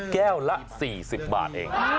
แก้วละ๔๐บาทเอง